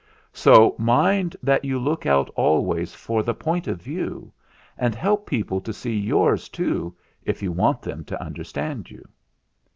So mind that you look out always for the Point of View and help people to see yours, too, if you want them to understand you."